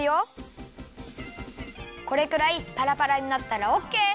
これくらいパラパラになったらオッケー！